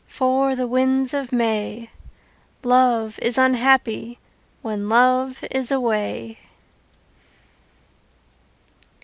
For the winds of May! Love is unhappy when love is away!